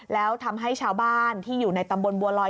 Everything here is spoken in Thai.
แล้วทำให้ชาวบ้านที่อยู่ในตำบลบัวลอย